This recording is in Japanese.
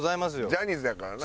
ジャニーズやからな。